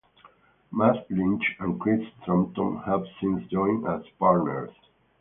Matt Lynch and Chris Thornton have since joined as partners.